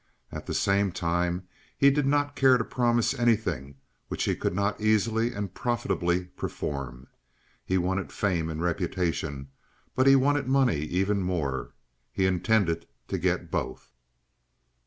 At the same time he did not care to promise anything which he could not easily and profitably perform. He wanted fame and reputation, but he wanted money even more; he intended to get both.